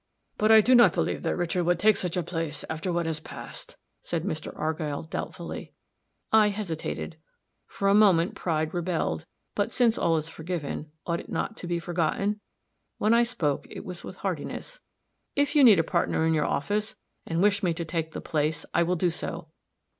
"But I do not believe that Richard would take such a place, after what has passed," said Mr. Argyll, doubtfully. I hesitated; for a moment pride rebelled; but since all is forgiven, ought it not to be forgotten? When I spoke it was with heartiness. "If you need a partner in your office, and wish me to take the place, I will do so."